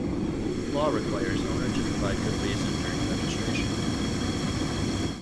Law requires owner to provide good reason during registration.